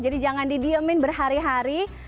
jadi jangan didiemin berhari hari